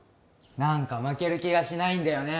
何か負ける気がしないんだよね